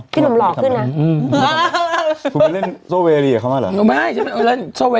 พี่หนุ่มโซเวทดีเขาบ้างเหรอ